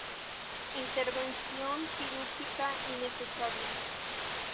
Intervención quirúrgica innecesaria.